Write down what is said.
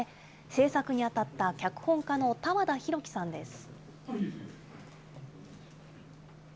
製作に当たった脚本家の多和田紘希さんです。